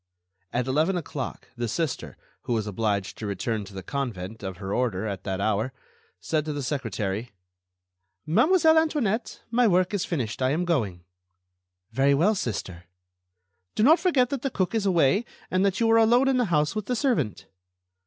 At eleven o'clock, the Sister, who was obliged to return to the convent of her order at that hour, said to the secretary: "Mademoiselle Antoinette, my work is finished; I am going." "Very well, Sister." "Do not forget that the cook is away, and that you are alone in the house with the servant."